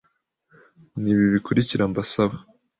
ni ibi bikurikira mbasaba